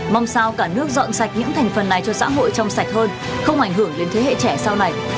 mong sao cả nước dọn sạch những thành phần này cho xã hội trong sạch hơn không ảnh hưởng đến thế hệ trẻ sau này